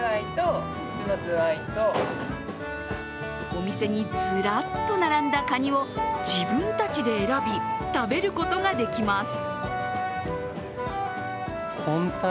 お店にずらっと並んだかにを自分たちで選び食べることができます。